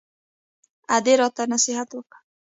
ادې راته نصيحت وکړ.